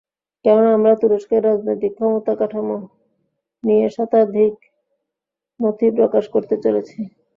কেননা, আমরা তুরস্কের রাজনৈতিক ক্ষমতাকাঠামো নিয়ে শতাধিক নথি প্রকাশ করতে চলেছি।